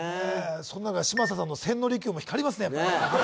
そんな中嶋佐さんの千の利休も光りますね